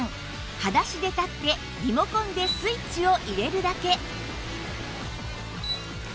裸足で立ってリモコンでスイッチを入れるだけ